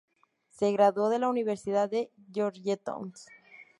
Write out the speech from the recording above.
Se graduó de la Universidad de Georgetown.